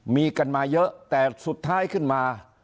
มีกันมาเยอะแต่สุดท้ายขึ้นมา